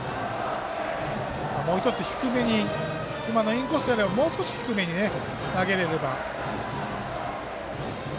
もう１つ低めに今のインコースというよりはもう少し低めに投げれれば。